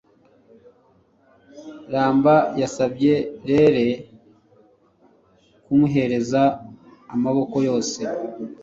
Ramba yasabye Rere kumuhereza amaboko yose